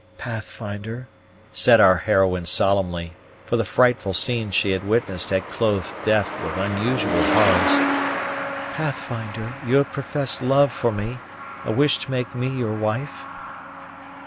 "Pathfinder," said our heroine solemnly, for the frightful scenes she had witnessed had clothed death with unusual horrors, "Pathfinder, you have professed love for me, a wish to make me your wife?"